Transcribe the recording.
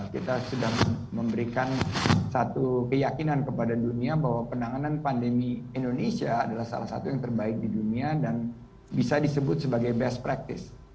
kita sudah memberikan satu keyakinan kepada dunia bahwa penanganan pandemi indonesia adalah salah satu yang terbaik di dunia dan bisa disebut sebagai best practice